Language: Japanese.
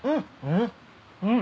うん！